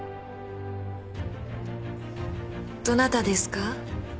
どなたですか？